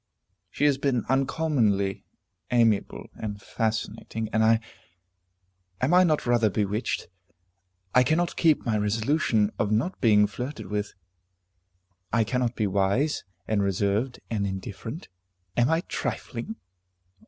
She has been uncommonly amiable and fascinating, and I am I not rather bewitched? I cannot keep my resolution of not being flirted with. I cannot be wise, and reserved, and indifferent. Am I trifling?